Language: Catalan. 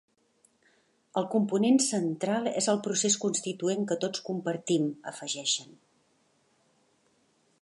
El component central és el procés constituent que tots compartim, afegeixen.